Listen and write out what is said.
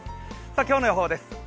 今日の予報です。